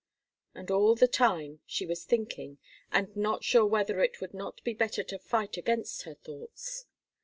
And all the time she was thinking, and not sure whether it would not be better to fight against her thoughts.